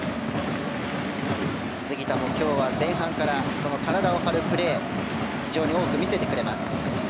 杉田も今日は前半から体を張るプレーを非常に多く見せてくれます。